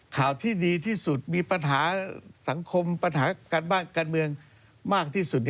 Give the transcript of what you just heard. ข่าวที่ดีที่สุดมีปัญหาสังคมปัญหาการบ้านการเมืองมากที่สุด